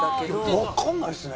わかんないですね。